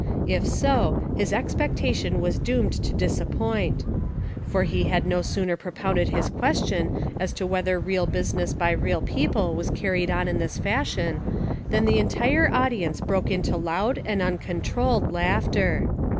If so, his expectation was doomed to disappointment. For he had no sooner pro pounded his question as to whether real busi ness by real people was carried on in this fash Ion than the entire audience broke into loud and uncontrolled laughter.